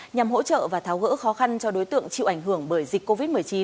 nhằm hỗ trợ và tháo gỡ khó khăn cho đối tượng chịu ảnh hưởng bởi dịch covid một mươi chín